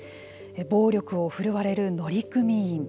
暴力を振るわれる乗組員。